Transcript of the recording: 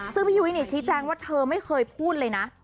ซึ่งพี่ยุ้ยชี้แจงว่าเธอไม่เคยพูดเลยนะ